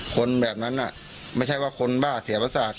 คนแบบนั้นไม่ใช่ว่าคนบ้าเสียประสาท